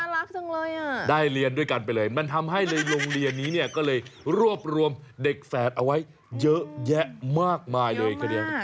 รักจังเลยอ่ะได้เรียนด้วยกันไปเลยมันทำให้ในโรงเรียนนี้เนี่ยก็เลยรวบรวมเด็กแฝดเอาไว้เยอะแยะมากมายเลยทีเดียว